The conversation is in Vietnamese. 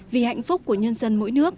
vì hạnh phúc của nhân dân